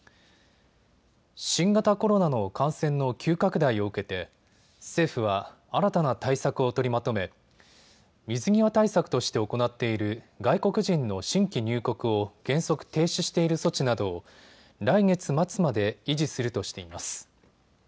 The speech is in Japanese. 新型コロナの感染の急拡大を受けて政府は新たな対策を取りまとめ水際対策として行っている外国人の新規入国を原則停止している措置などを来月末まで維持するとしています。